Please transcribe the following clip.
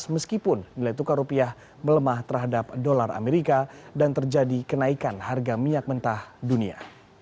meskipun nilai tukar rupiah melemah terhadap dolar amerika dan terjadi kenaikan harga minyak mentah dunia